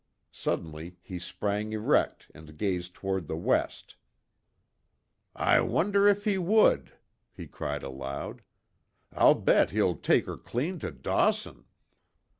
Suddenly, he sprang erect and gazed toward the west. "I wonder if he would?" he cried aloud, "I'll bet he'll take her clean to Dawson!"